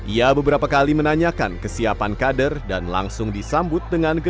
ia beberapa kali menanyakan kesiapan kader dan langsung disambut dengan